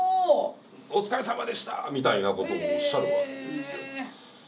「お疲れさまでした」みたいなことをおっしゃるわけですよ。